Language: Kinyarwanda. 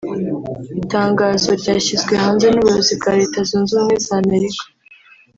Itangazo ryashyizwe hanze n’Ubuyobozi bwa Leta Zunze Ubumwe za Amerika